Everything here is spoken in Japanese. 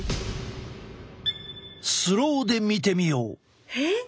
スローで見てみよう。